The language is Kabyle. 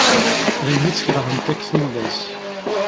Daymi tt-kerhent akk tullas.